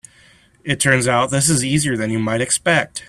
It turns out this is easier than you might expect.